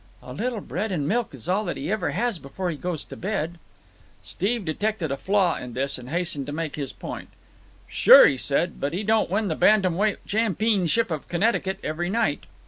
"A little bread and milk is all that he ever has before he goes to bed." Steve detected a flaw in this and hastened to make his point. "Sure," he said, "but he don't win the bantam weight champeenship of Connecticut every night."